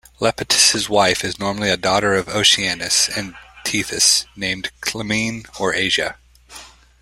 Iapetus's wife is normally a daughter of Oceanus and Tethys named Clymene or Asia.